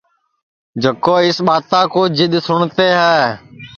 جکو اِس ٻاتا کُو جِدؔ سُٹؔتے ہے